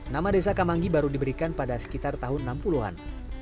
nama desa kamangi baru diberikan pada sekitar tahun enam puluh an